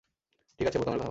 ঠিকাছে, বোতামের কথা বাদ।